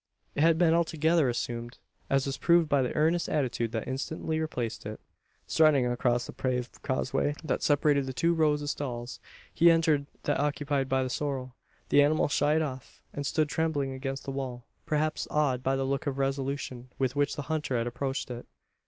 It had been altogether assumed: as was proved by the earnest attitude that instantly replaced it. Striding across the paved causeway, that separated the two rows of stalls, he entered that occupied by the sorrel. The animal shied off, and stood trembling against the wall perhaps awed by the look of resolution with which the hunter had approached it.